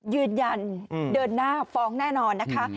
ยืนยันเดินหน้าฟ้องแน่นอนนะคะ